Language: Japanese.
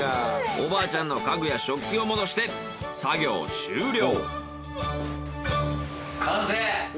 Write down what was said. おばあちゃんの家具や食器を戻して作業終了。